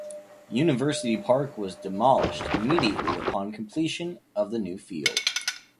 University Park was demolished immediately upon completion of the new field.